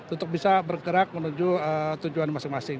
untuk bisa bergerak menuju tujuan masing masing